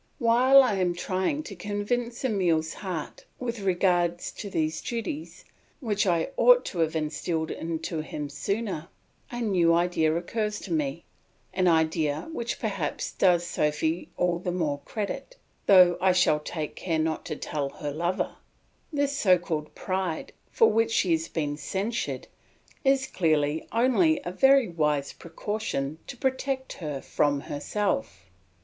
While I am trying to convince Emile's heart with regard to these duties which I ought to have instilled into him sooner, a new idea occurs to me, an idea which perhaps does Sophy all the more credit, though I shall take care not to tell her lover; this so called pride, for which she has been censured, is clearly only a very wise precaution to protect her from herself.